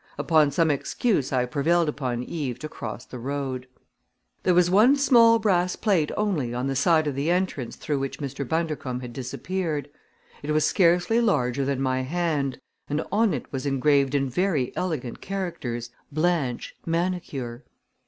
Upon some excuse I prevailed upon Eve to cross the road. There was one small brass plate only on the side of the entrance through which Mr. Bundercombe had disappeared. It was scarcely larger than my hand and on it was engraved in very elegant characters: BLANCHE MANICURE.